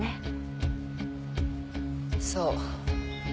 そう。